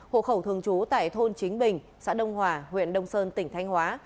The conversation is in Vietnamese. hộ khẩu thường trú tại thôn chính bình xã đông hòa huyện đông sơn tỉnh thanh hóa